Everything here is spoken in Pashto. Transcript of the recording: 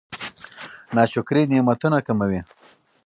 ناشکري نعمتونه کموي.